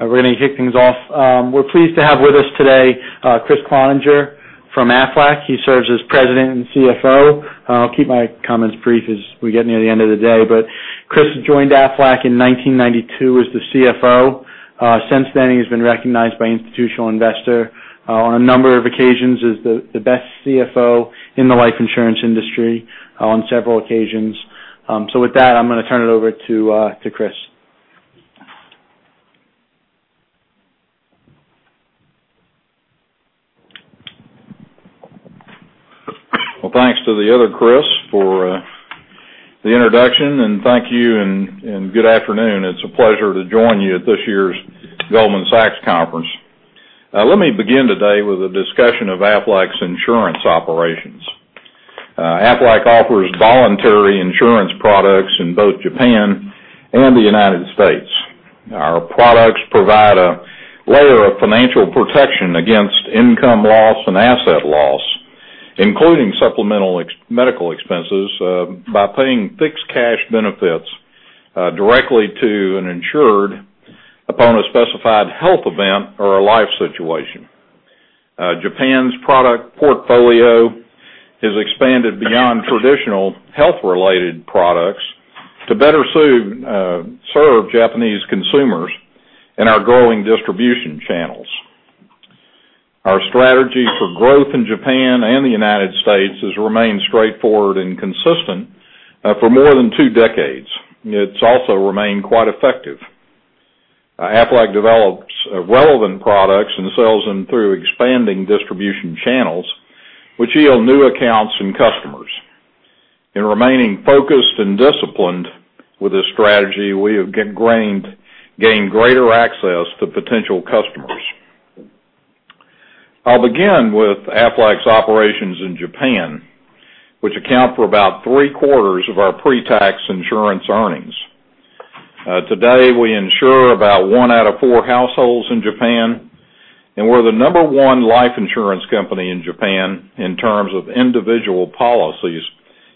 We're going to kick things off. We're pleased to have with us today, Kriss Cloninger from Aflac. He serves as President and CFO. I'll keep my comments brief as we get near the end of the day. Kriss joined Aflac in 1992 as the CFO. Since then, he's been recognized by Institutional Investor on a number of occasions as the best CFO in the life insurance industry on several occasions. With that, I'm going to turn it over to Kriss. Well, thanks to the other Christopher for the introduction, and thank you, and good afternoon. It's a pleasure to join you at this year's Goldman Sachs conference. Let me begin today with a discussion of Aflac's insurance operations. Aflac offers voluntary insurance products in both Japan and the U.S. Our products provide a layer of financial protection against income loss and asset loss, including supplemental medical expenses, by paying fixed cash benefits directly to an insured upon a specified health event or a life situation. Japan's product portfolio has expanded beyond traditional health-related products to better serve Japanese consumers in our growing distribution channels. Our strategy for growth in Japan and the U.S. has remained straightforward and consistent for more than two decades. It's also remained quite effective. Aflac develops relevant products and sells them through expanding distribution channels, which yield new accounts and customers. In remaining focused and disciplined with this strategy, we have gained greater access to potential customers. I'll begin with Aflac's operations in Japan, which account for about three-quarters of our pre-tax insurance earnings. Today, we insure about one out of four households in Japan, and we're the number one life insurance company in Japan in terms of individual policies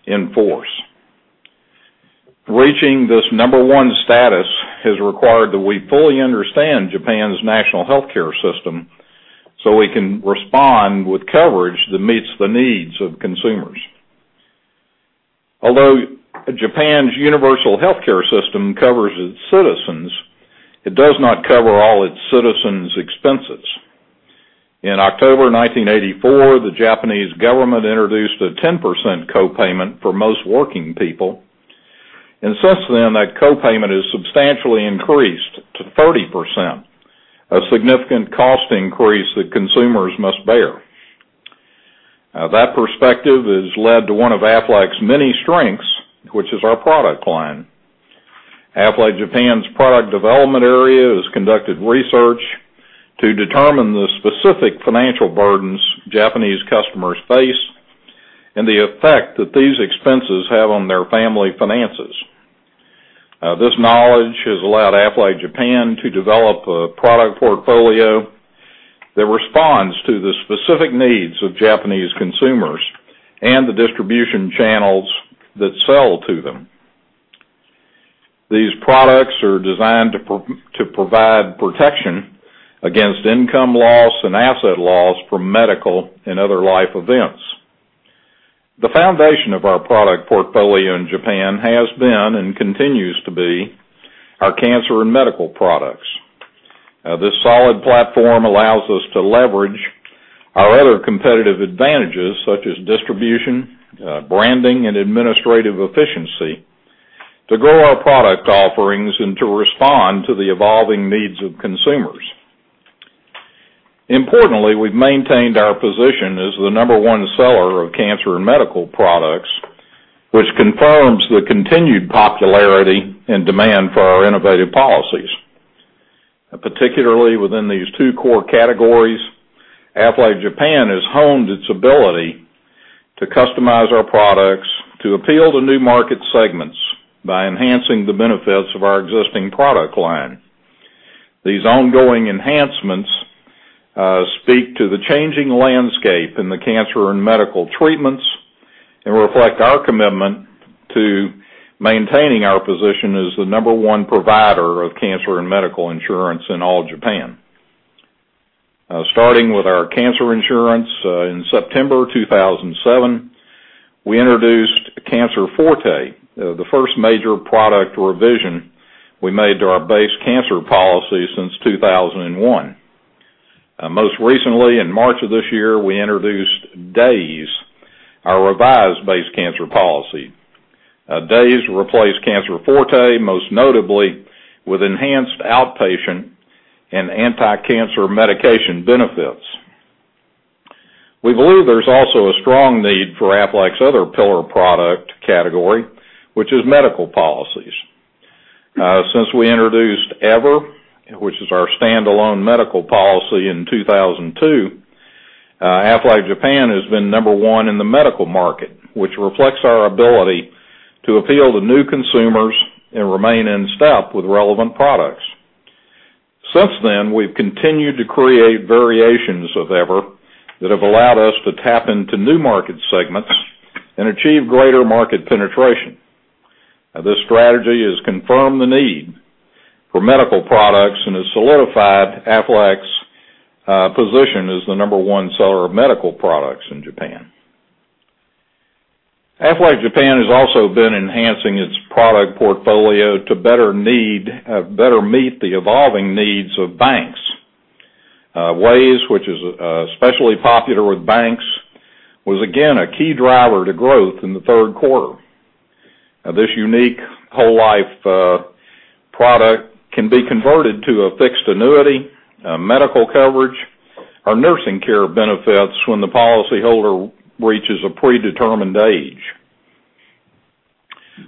in force. Reaching this number one status has required that we fully understand Japan's national healthcare system so we can respond with coverage that meets the needs of consumers. Although Japan's universal healthcare system covers its citizens, it does not cover all its citizens' expenses. In October 1984, the Japanese government introduced a 10% co-payment for most working people, and since then, that co-payment has substantially increased to 30%, a significant cost increase that consumers must bear. That perspective has led to one of Aflac's many strengths, which is our product line. Aflac Japan's product development area has conducted research to determine the specific financial burdens Japanese customers face and the effect that these expenses have on their family finances. This knowledge has allowed Aflac Japan to develop a product portfolio that responds to the specific needs of Japanese consumers and the distribution channels that sell to them. These products are designed to provide protection against income loss and asset loss from medical and other life events. The foundation of our product portfolio in Japan has been and continues to be our cancer and medical products. This solid platform allows us to leverage our other competitive advantages, such as distribution, branding, and administrative efficiency, to grow our product offerings and to respond to the evolving needs of consumers. Importantly, we've maintained our position as the number one seller of cancer and medical products, which confirms the continued popularity and demand for our innovative policies. Particularly within these two core categories, Aflac Japan has honed its ability to customize our products to appeal to new market segments by enhancing the benefits of our existing product line. These ongoing enhancements speak to the changing landscape in the cancer and medical treatments and reflect our commitment to maintaining our position as the number one provider of cancer and medical insurance in all Japan. Starting with our cancer insurance in September 2007, we introduced Cancer Forte, the first major product revision we made to our base cancer policy since 2001. Most recently, in March of this year, we introduced Days, our revised base cancer policy. Days will replace Cancer Forte, most notably with enhanced outpatient and anti-cancer medication benefits. We believe there's also a strong need for Aflac's other pillar product category, which is medical policies. Since we introduced EVER, which is our standalone medical policy in 2002, Aflac Japan has been number one in the medical market, which reflects our ability to appeal to new consumers and remain in step with relevant products. Since then, we've continued to create variations of EVER that have allowed us to tap into new market segments and achieve greater market penetration. This strategy has confirmed the need for medical products and has solidified Aflac's position as the number one seller of medical products in Japan. Aflac Japan has also been enhancing its product portfolio to better meet the evolving needs of banks. WAYS, which is especially popular with banks, was again a key driver to growth in the third quarter. This unique whole life product can be converted to a fixed annuity, medical coverage, or nursing care benefits when the policyholder reaches a predetermined age.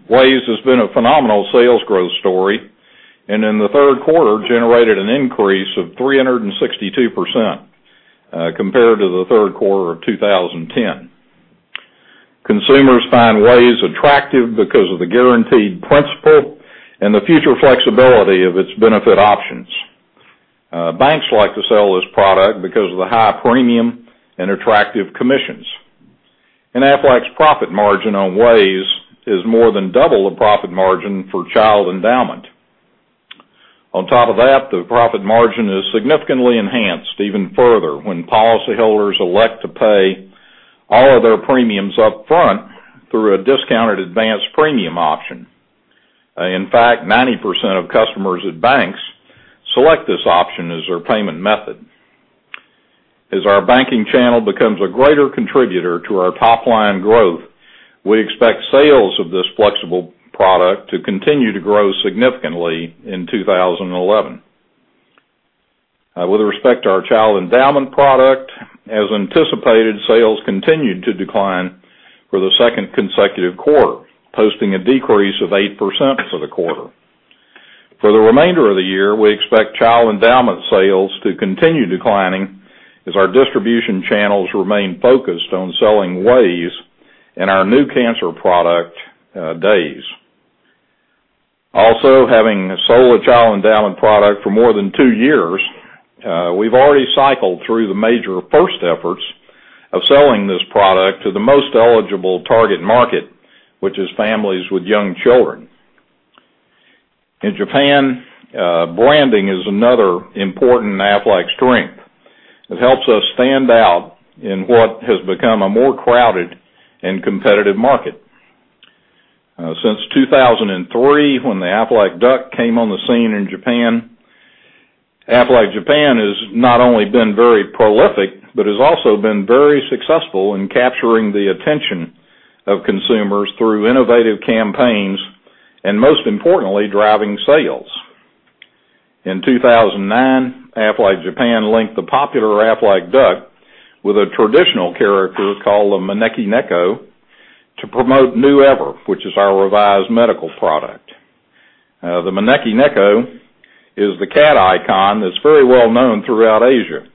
WAYS has been a phenomenal sales growth story, and in the third quarter, generated an increase of 362% compared to the third quarter of 2010. Consumers find WAYS attractive because of the guaranteed principle and the future flexibility of its benefit options. Banks like to sell this product because of the high premium and attractive commissions. Aflac's profit margin on WAYS is more than double the profit margin for child endowment. On top of that, the profit margin is significantly enhanced even further when policyholders elect to pay all of their premiums up front through a discounted advanced premium option. In fact, 90% of customers at banks select this option as their payment method. As our banking channel becomes a greater contributor to our top-line growth, we expect sales of this flexible product to continue to grow significantly in 2011. With respect to our child endowment product, as anticipated, sales continued to decline for the second consecutive quarter, posting a decrease of 8% for the quarter. For the remainder of the year, we expect child endowment sales to continue declining as our distribution channels remain focused on selling WAYS and our new cancer product, Days. Also, having sold a child endowment product for more than two years, we've already cycled through the major first efforts of selling this product to the most eligible target market, which is families with young children. In Japan, branding is another important Aflac strength. It helps us stand out in what has become a more crowded and competitive market. Since 2003, when the Aflac duck came on the scene in Japan, Aflac Japan has not only been very prolific, but has also been very successful in capturing the attention of consumers through innovative campaigns, and most importantly, driving sales. In 2009, Aflac Japan linked the popular Aflac duck with a traditional character called the Maneki-Neko to promote NEW EVER, which is our revised medical product. The Maneki-Neko is the cat icon that's very well known throughout Asia.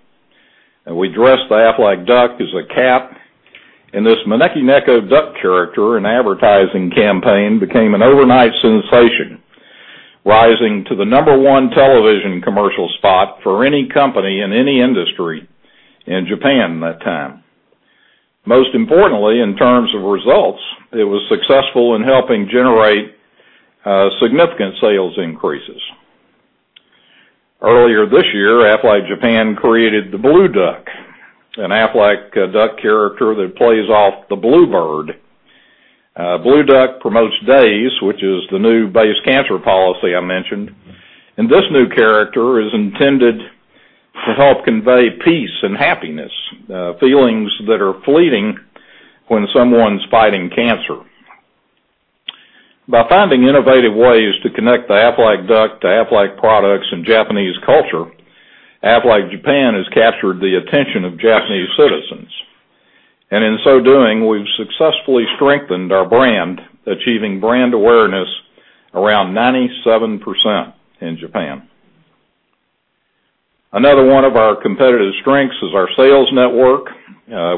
We dressed the Aflac duck as a cat, and this Maneki-Neko duck character and advertising campaign became an overnight sensation, rising to the number one television commercial spot for any company in any industry in Japan at that time. Most importantly, in terms of results, it was successful in helping generate significant sales increases. Earlier this year, Aflac Japan created the Blue Duck, an Aflac duck character that plays off the bluebird. Blue Duck promotes DAYS, which is the new base cancer policy I mentioned, and this new character is intended to help convey peace and happiness, feelings that are fleeting when someone's fighting cancer. By finding innovative ways to connect the Aflac duck to Aflac products and Japanese culture, Aflac Japan has captured the attention of Japanese citizens. In so doing, we've successfully strengthened our brand, achieving brand awareness around 97% in Japan. Another one of our competitive strengths is our sales network.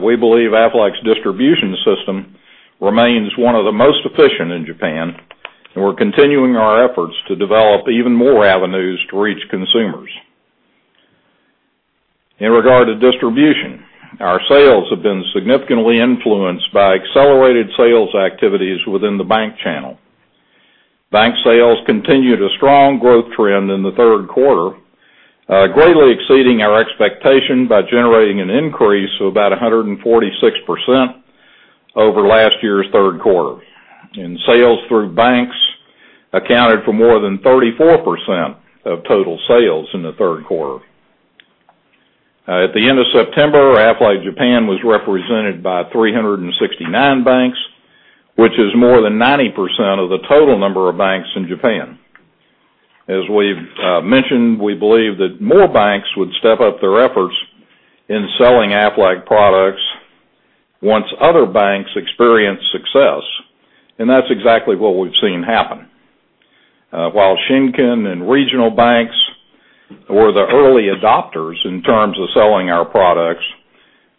We believe Aflac's distribution system remains one of the most efficient in Japan, and we're continuing our efforts to develop even more avenues to reach consumers. In regard to distribution, our sales have been significantly influenced by accelerated sales activities within the bank channel. Bank sales continued a strong growth trend in the third quarter, greatly exceeding our expectation by generating an increase of about 146% over last year's third quarter. Sales through banks accounted for more than 34% of total sales in the third quarter. At the end of September, Aflac Japan was represented by 369 banks, which is more than 90% of the total number of banks in Japan. As we've mentioned, we believe that more banks would step up their efforts in selling Aflac products once other banks experience success, and that's exactly what we've seen happen. While Shinkin and regional banks were the early adopters in terms of selling our products,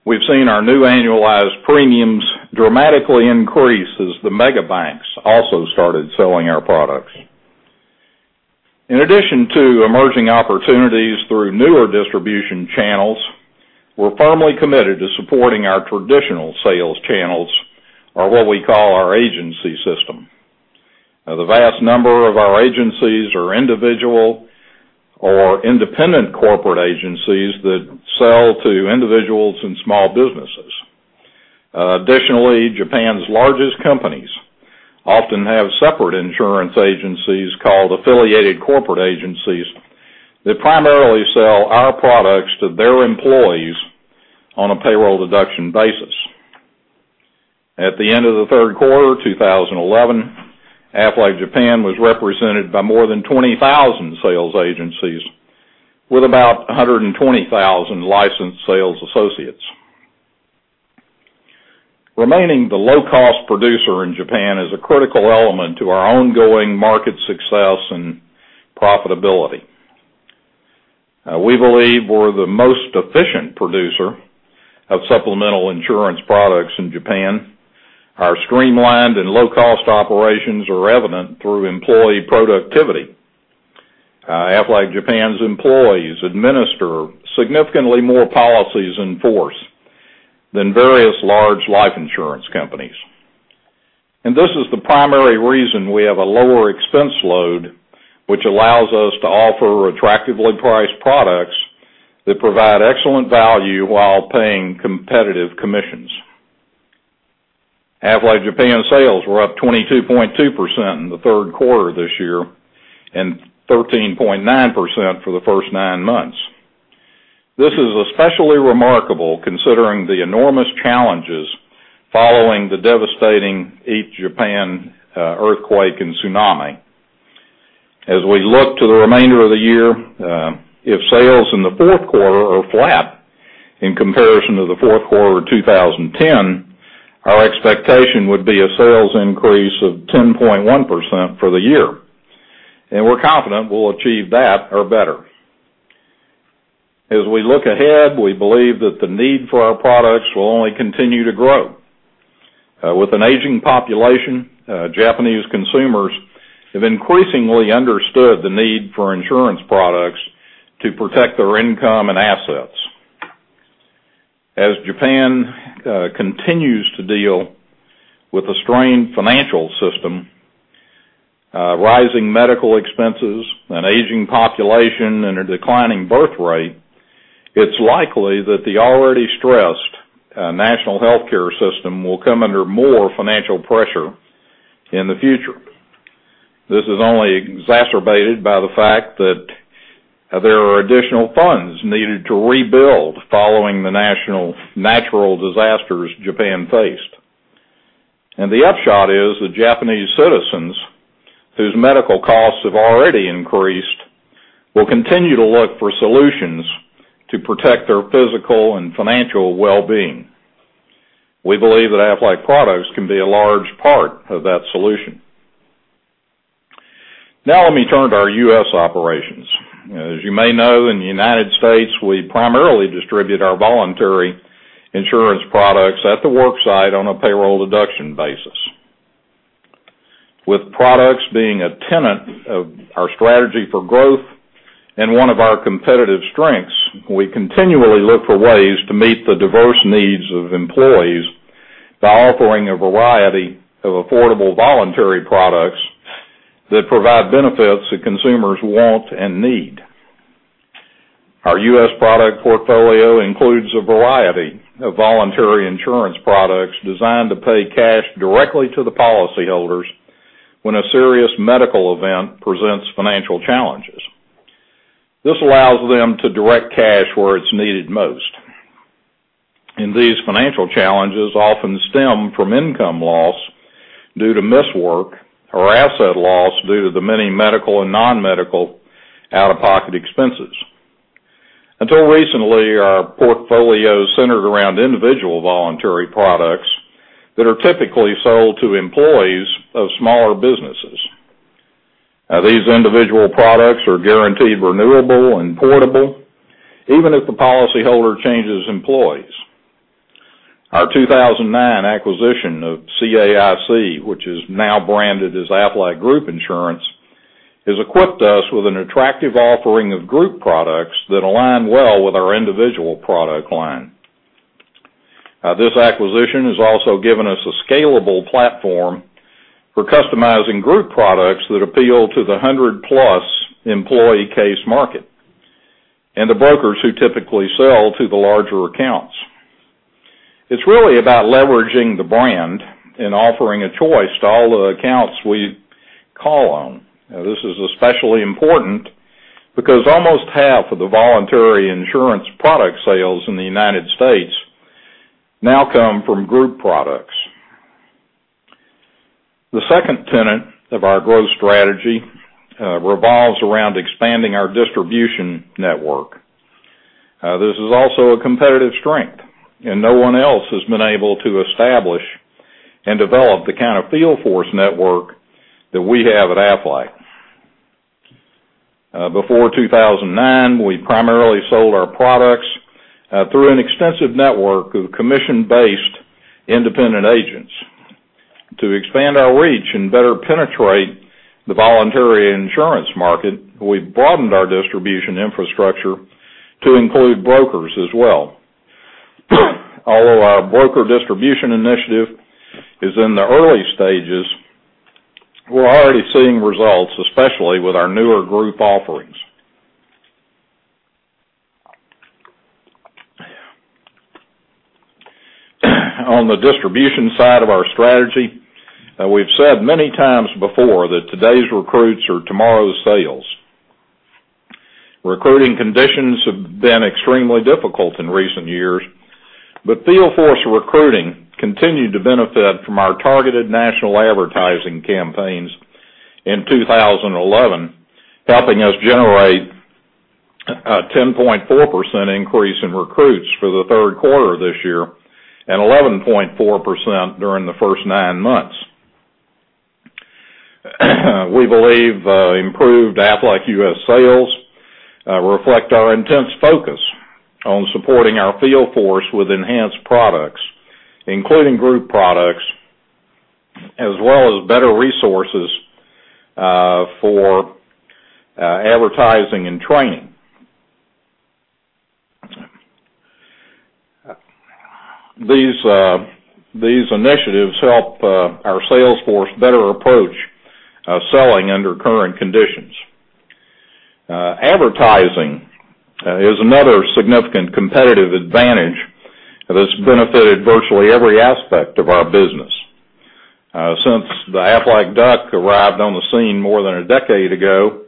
we've seen our new annualized premiums dramatically increase as the mega banks also started selling our products. In addition to emerging opportunities through newer distribution channels, we're firmly committed to supporting our traditional sales channels or what we call our agency system. Now the vast number of our agencies are individual or independent corporate agencies that sell to individuals and small businesses. Additionally, Japan's largest companies often have separate insurance agencies called Affiliated Corporate Agencies that primarily sell our products to their employees on a payroll deduction basis. At the end of the third quarter 2011, Aflac Japan was represented by more than 20,000 sales agencies with about 120,000 licensed sales associates. Remaining the low cost producer in Japan is a critical element to our ongoing market success and profitability. We believe we're the most efficient producer of supplemental insurance products in Japan. Our streamlined and low-cost operations are evident through employee productivity. Aflac Japan's employees administer significantly more policies in force than various large life insurance companies. This is the primary reason we have a lower expense load, which allows us to offer attractively priced products that provide excellent value while paying competitive commissions. Aflac Japan sales were up 22.2% in the third quarter this year and 13.9% for the first nine months. This is especially remarkable considering the enormous challenges following the devastating East Japan earthquake and tsunami. As we look to the remainder of the year, if sales in the fourth quarter are flat in comparison to the fourth quarter of 2010, our expectation would be a sales increase of 10.1% for the year, and we're confident we'll achieve that or better. As we look ahead, we believe that the need for our products will only continue to grow. With an aging population, Japanese consumers have increasingly understood the need for insurance products to protect their income and assets. As Japan continues to deal with a strained financial system, rising medical expenses, an aging population, and a declining birth rate, it's likely that the already stressed national healthcare system will come under more financial pressure in the future. This is only exacerbated by the fact that there are additional funds needed to rebuild following the natural disasters Japan faced. The upshot is that Japanese citizens, whose medical costs have already increased, will continue to look for solutions to protect their physical and financial wellbeing. We believe that Aflac products can be a large part of that solution. Now let me turn to our U.S. operations. As you may know, in the U.S., we primarily distribute our voluntary insurance products at the work site on a payroll deduction basis. With products being a tenet of our strategy for growth and one of our competitive strengths, we continually look for ways to meet the diverse needs of employees by offering a variety of affordable voluntary products that provide benefits that consumers want and need. Our U.S. product portfolio includes a variety of voluntary insurance products designed to pay cash directly to the policyholders when a serious medical event presents financial challenges. This allows them to direct cash where it's needed most, and these financial challenges often stem from income loss due to missed work or asset loss due to the many medical and non-medical out-of-pocket expenses. Until recently, our portfolio centered around individual voluntary products that are typically sold to employees of smaller businesses. These individual products are guaranteed renewable and portable even if the policyholder changes employees. Our 2009 acquisition of CAIC, which is now branded as Aflac Group Insurance, has equipped us with an attractive offering of group products that align well with our individual product line. This acquisition has also given us a scalable platform for customizing group products that appeal to the 100-plus employee case market and the brokers who typically sell to the larger accounts. It's really about leveraging the brand and offering a choice to all the accounts we call on. This is especially important because almost half of the voluntary insurance product sales in the U.S. now come from group products. The second tenet of our growth strategy revolves around expanding our distribution network. This is also a competitive strength, no one else has been able to establish and develop the kind of field force network that we have at Aflac. Before 2009, we primarily sold our products through an extensive network of commission-based independent agents. To expand our reach and better penetrate the voluntary insurance market, we've broadened our distribution infrastructure to include brokers as well. Although our broker distribution initiative is in the early stages, we're already seeing results, especially with our newer group offerings. On the distribution side of our strategy, we've said many times before that today's recruits are tomorrow's sales. Recruiting conditions have been extremely difficult in recent years. Field force recruiting continued to benefit from our targeted national advertising campaigns in 2011, helping us generate a 10.4% increase in recruits for the third quarter this year, and 11.4% during the first nine months. We believe improved Aflac US sales reflect our intense focus on supporting our field force with enhanced products, including group products, as well as better resources for advertising and training. These initiatives help our sales force better approach selling under current conditions. Advertising is another significant competitive advantage that has benefited virtually every aspect of our business. Since the Aflac duck arrived on the scene more than a decade ago,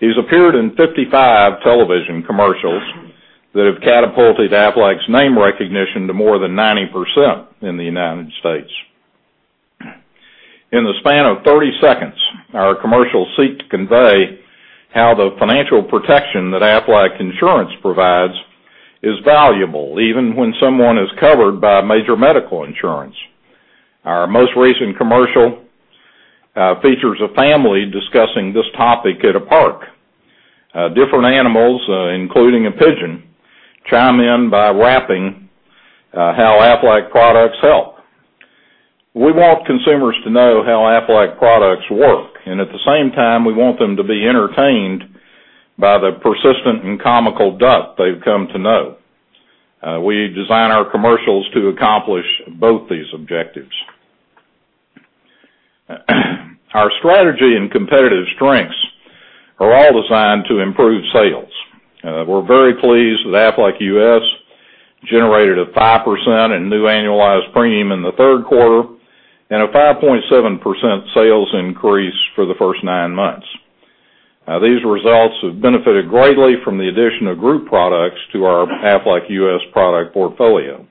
he's appeared in 55 television commercials that have catapulted Aflac's name recognition to more than 90% in the United States. In the span of 30 seconds, our commercials seek to convey how the financial protection that Aflac provides is valuable, even when someone is covered by major medical insurance. Our most recent commercial features a family discussing this topic at a park. Different animals, including a pigeon, chime in by rapping how Aflac products help. We want consumers to know how Aflac products work, at the same time, we want them to be entertained by the persistent and comical duck they've come to know. We design our commercials to accomplish both these objectives. Our strategy and competitive strengths are all designed to improve sales. We're very pleased that Aflac US generated a 5% in new annualized premium in the third quarter, and a 5.7% sales increase for the first nine months. These results have benefited greatly from the addition of group products to our Aflac US product portfolio.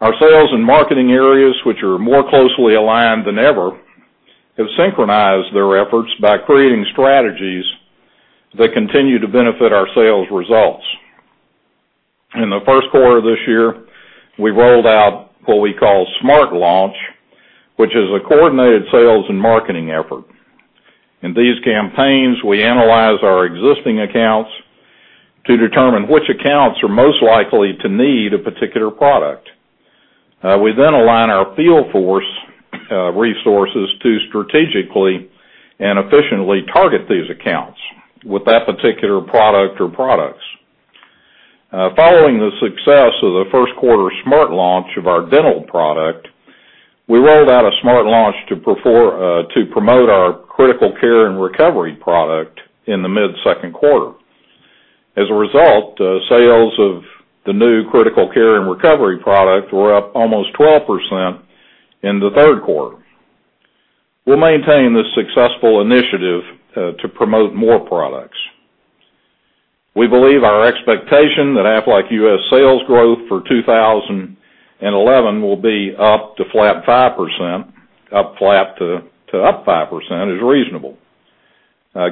Our sales and marketing areas, which are more closely aligned than ever, have synchronized their efforts by creating strategies that continue to benefit our sales results. In the first quarter of this year, we rolled out what we call Smart Launch, which is a coordinated sales and marketing effort. In these campaigns, we analyze our existing accounts to determine which accounts are most likely to need a particular product. We then align our field force resources to strategically and efficiently target these accounts with that particular product or products. Following the success of the first quarter Smart Launch of our dental product, we rolled out a Smart Launch to promote our Critical Care and Recovery product in the mid second quarter. As a result, sales of the new Critical Care and Recovery product were up almost 12% in the third quarter. We'll maintain this successful initiative to promote more products. We believe our expectation that Aflac US sales growth for 2011 will be up to flat 5%, is reasonable.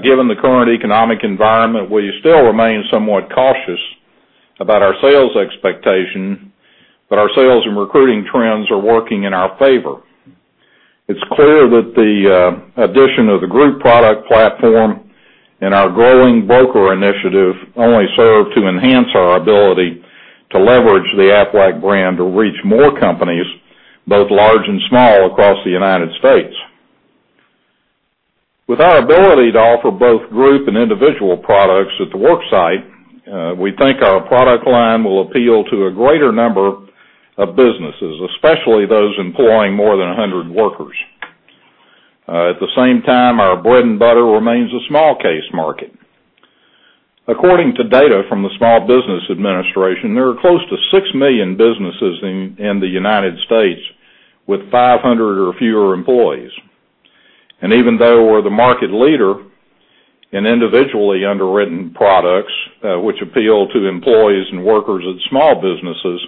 Given the current economic environment, we still remain somewhat cautious about our sales expectation, our sales and recruiting trends are working in our favor. It's clear that the addition of the group product platform and our growing broker initiative only serve to enhance our ability to leverage the Aflac brand to reach more companies, both large and small, across the U.S. With our ability to offer both group and individual products at the work site, we think our product line will appeal to a greater number of businesses, especially those employing more than 100 workers. At the same time, our bread and butter remains the small case market. According to data from the Small Business Administration, there are close to 6 million businesses in the U.S. with 500 or fewer employees. Even though we're the market leader in individually underwritten products, which appeal to employees and workers at small businesses,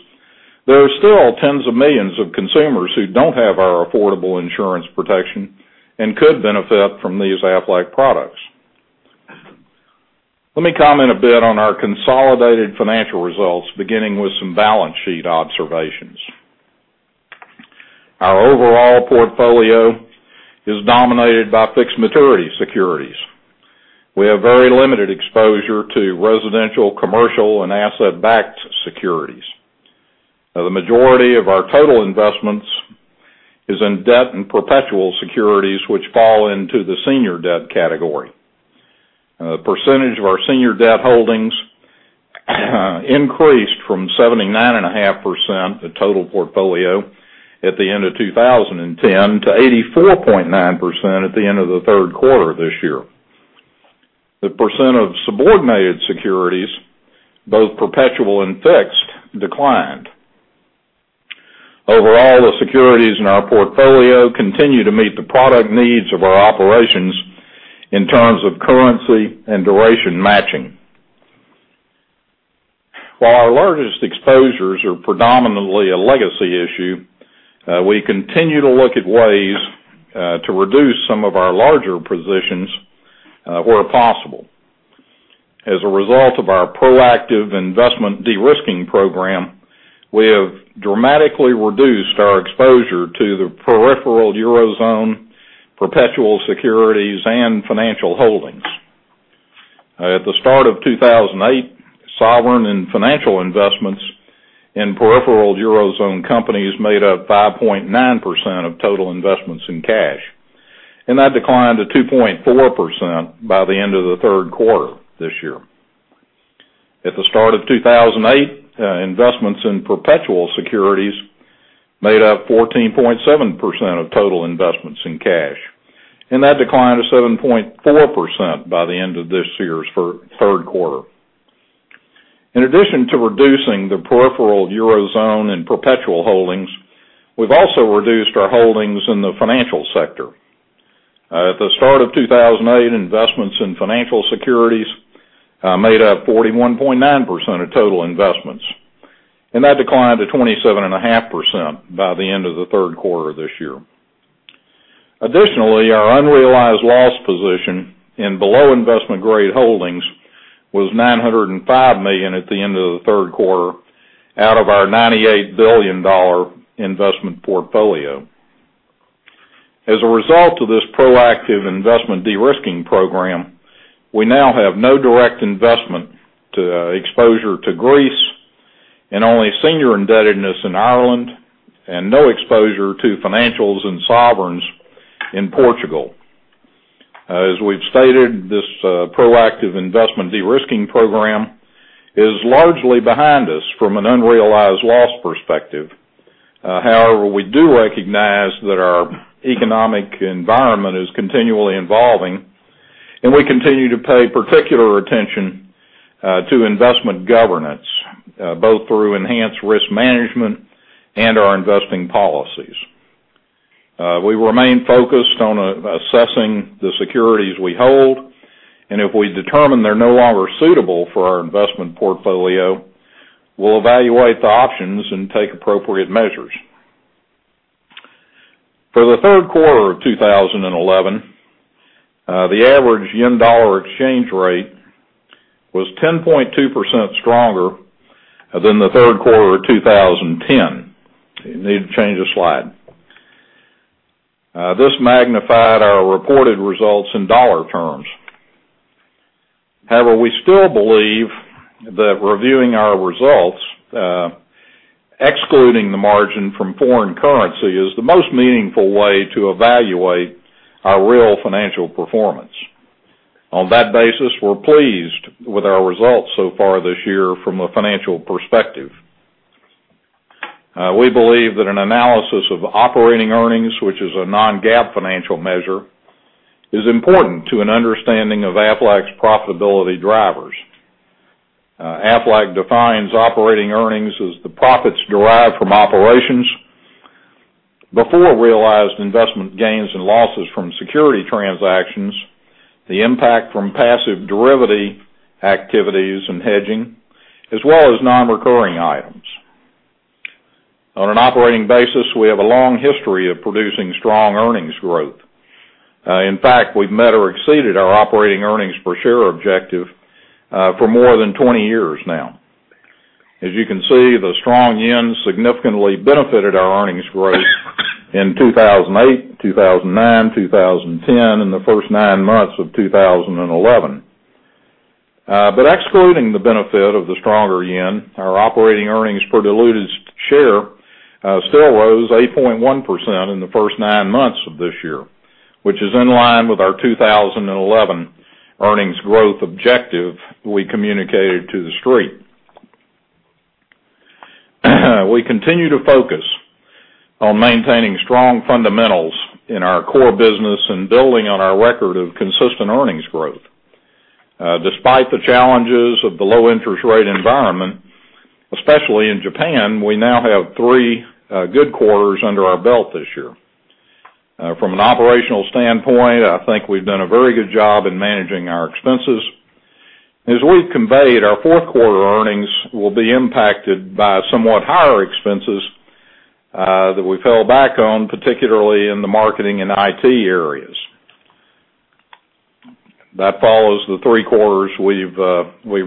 there are still tens of millions of consumers who don't have our affordable insurance protection and could benefit from these Aflac products. Let me comment a bit on our consolidated financial results, beginning with some balance sheet observations. Our overall portfolio is dominated by fixed maturity securities. We have very limited exposure to residential, commercial, and asset-backed securities. The majority of our total investments is in debt and perpetual securities, which fall into the senior debt category. Percentage of our senior debt holdings increased from 79.5%, the total portfolio, at the end of 2010 to 84.9% at the end of the third quarter this year. The % of subordinated securities, both perpetual and fixed, declined. Overall, the securities in our portfolio continue to meet the product needs of our operations in terms of currency and duration matching. While our largest exposures are predominantly a legacy issue, we continue to look at ways to reduce some of our larger positions where possible. As a result of our proactive investment de-risking program, we have dramatically reduced our exposure to the peripheral Eurozone, perpetual securities, and financial holdings. At the start of 2008, sovereign and financial investments in peripheral Eurozone companies made up 5.9% of total investments in cash, and that declined to 2.4% by the end of the third quarter this year. At the start of 2008, investments in perpetual securities made up 14.7% of total investments in cash, and that declined to 7.4% by the end of this year's third quarter. In addition to reducing the peripheral Eurozone and perpetual holdings, we've also reduced our holdings in the financial sector. At the start of 2008, investments in financial securities made up 41.9% of total investments, and that declined to 27.5% by the end of the third quarter this year. Additionally, our unrealized loss position in below investment-grade holdings was $905 million at the end of the third quarter out of our $98 billion investment portfolio. As a result of this proactive investment de-risking program, we now have no direct investment exposure to Greece and only senior indebtedness in Ireland and no exposure to financials and sovereigns in Portugal. As we've stated, this proactive investment de-risking program is largely behind us from an unrealized loss perspective. We do recognize that our economic environment is continually evolving, and we continue to pay particular attention to investment governance, both through enhanced risk management and our investing policies. We remain focused on assessing the securities we hold, and if we determine they're no longer suitable for our investment portfolio, we'll evaluate the options and take appropriate measures. For the third quarter of 2011, the average yen-dollar exchange rate was 10.2% stronger than the third quarter of 2010. You need to change the slide. This magnified our reported results in dollar terms. We still believe that reviewing our results, excluding the margin from foreign currency, is the most meaningful way to evaluate our real financial performance. On that basis, we're pleased with our results so far this year from a financial perspective. We believe that an analysis of operating earnings, which is a non-GAAP financial measure, is important to an understanding of Aflac's profitability drivers. Aflac defines operating earnings as the profits derived from operations before realized investment gains and losses from security transactions, the impact from passive derivative activities and hedging, as well as non-recurring items. On an operating basis, we have a long history of producing strong earnings growth. In fact, we've met or exceeded our operating earnings per share objective for more than 20 years now. As you can see, the strong yen significantly benefited our earnings growth in 2008, 2009, 2010, and the first nine months of 2011. Excluding the benefit of the stronger yen, our operating earnings per diluted share still rose 8.1% in the first nine months of this year, which is in line with our 2011 earnings growth objective we communicated to the Street. We continue to focus on maintaining strong fundamentals in our core business and building on our record of consistent earnings growth. Despite the challenges of the low interest rate environment, especially in Japan, we now have three good quarters under our belt this year. From an operational standpoint, I think we've done a very good job in managing our expenses. As we've conveyed, our fourth quarter earnings will be impacted by somewhat higher expenses that we fell back on, particularly in the marketing and IT areas. That follows the three quarters we've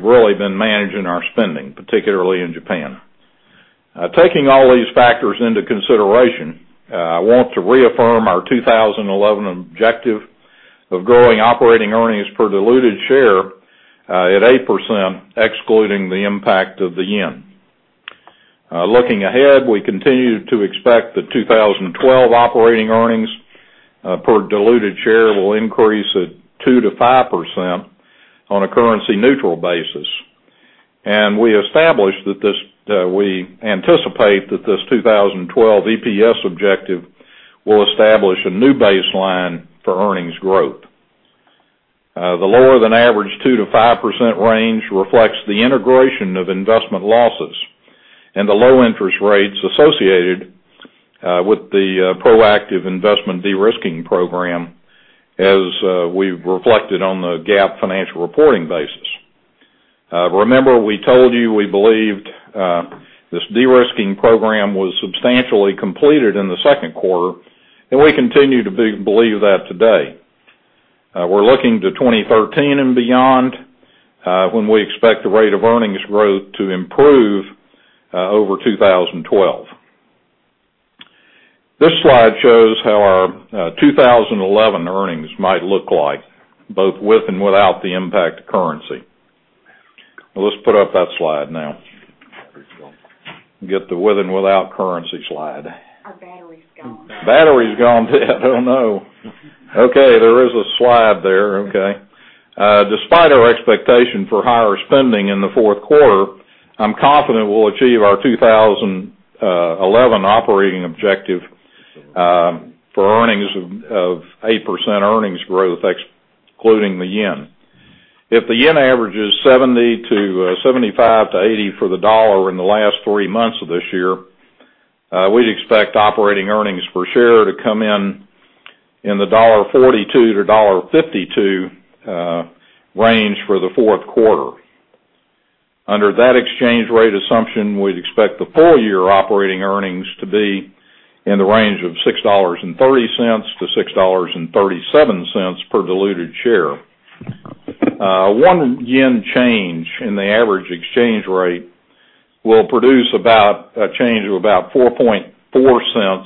really been managing our spending, particularly in Japan. Taking all these factors into consideration, I want to reaffirm our 2011 objective of growing operating earnings per diluted share at 8%, excluding the impact of the yen. Looking ahead, we continue to expect the 2012 operating earnings per diluted share will increase at 2%-5% on a currency-neutral basis. We anticipate that this 2012 EPS objective will establish a new baseline for earnings growth. The lower than average 2%-5% range reflects the integration of investment losses and the low interest rates associated with the proactive investment de-risking program as we've reflected on the GAAP financial reporting basis. Remember, we told you we believed this de-risking program was substantially completed in the second quarter, and we continue to believe that today. We're looking to 2013 and beyond, when we expect the rate of earnings growth to improve over 2012. This slide shows how our 2011 earnings might look like, both with and without the impact of currency. Well, let's put up that slide now. Battery's gone. Get the with and without currency slide. Our battery's gone. Battery's gone dead. Oh, no. There is a slide there. Despite our expectation for higher spending in the fourth quarter, I'm confident we'll achieve our 2011 operating objective for earnings of 8% earnings growth, excluding the yen. If the yen averages 75-80 for the dollar in the last three months of this year, we'd expect operating earnings per share to come in the $1.42-$1.52 range for the fourth quarter. Under that exchange rate assumption, we'd expect the full year operating earnings to be in the range of $6.30-$6.37 per diluted share. One yen change in the average exchange rate will produce a change of about $0.044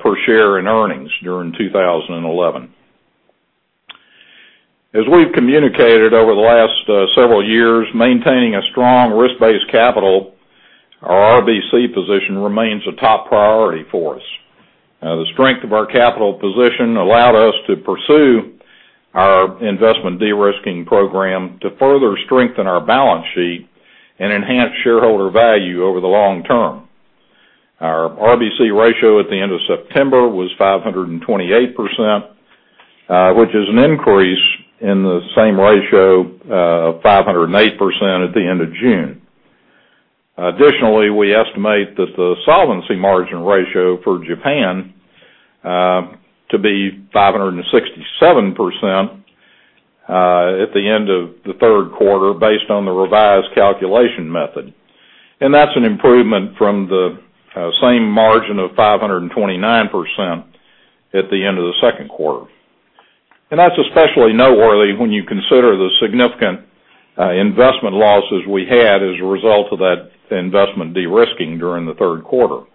per share in earnings during 2011. As we've communicated over the last several years, maintaining a strong risk-based capital, our RBC position remains a top priority for us. The strength of our capital position allowed us to pursue our investment de-risking program to further strengthen our balance sheet and enhance shareholder value over the long term. Our RBC ratio at the end of September was 528%, which is an increase in the same ratio of 508% at the end of June. Additionally, we estimate that the solvency margin ratio for Japan to be 567% at the end of the third quarter based on the revised calculation method. That's an improvement from the same margin of 529% at the end of the second quarter. That's especially noteworthy when you consider the significant investment losses we had as a result of that investment de-risking during the third quarter.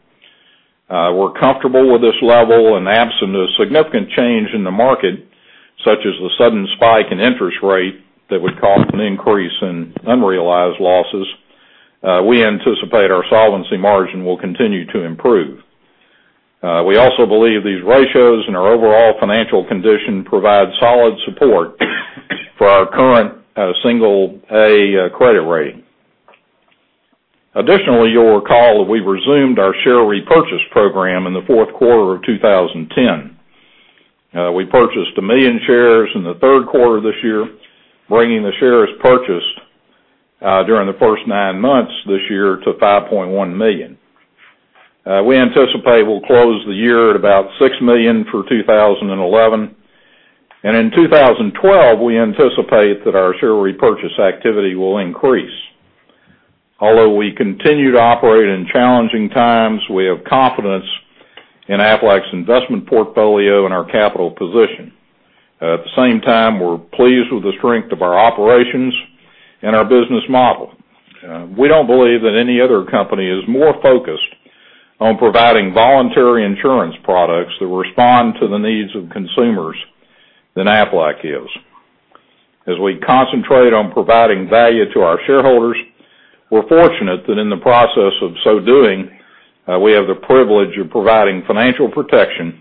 We're comfortable with this level, absent a significant change in the market, such as the sudden spike in interest rate that would cause an increase in unrealized losses, we anticipate our solvency margin will continue to improve. We also believe these ratios and our overall financial condition provide solid support for our current A single A credit rating. Additionally, you'll recall that we resumed our share repurchase program in the fourth quarter of 2010. We purchased 1 million shares in the third quarter this year, bringing the shares purchased during the first 9 months this year to 5.1 million. We anticipate we'll close the year at about 6 million for 2011. In 2012, we anticipate that our share repurchase activity will increase. Although we continue to operate in challenging times, we have confidence in Aflac's investment portfolio and our capital position. At the same time, we're pleased with the strength of our operations and our business model. We don't believe that any other company is more focused on providing voluntary insurance products that respond to the needs of consumers than Aflac is. As we concentrate on providing value to our shareholders, we're fortunate that in the process of so doing, we have the privilege of providing financial protection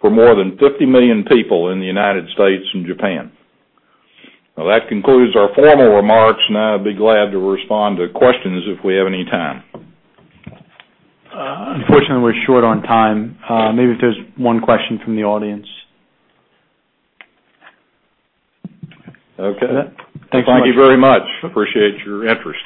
for more than 50 million people in the United States and Japan. That concludes our formal remarks, and I'll be glad to respond to questions if we have any time. Unfortunately, we're short on time. Maybe if there's one question from the audience. Okay. Thanks so much. Thank you very much. Appreciate your interest.